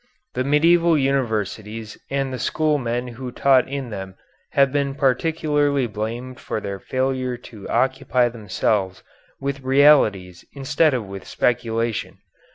The medieval universities and the school men who taught in them have been particularly blamed for their failure to occupy themselves with realities instead of with speculation.